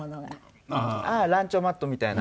ああランチョンマットみたいな。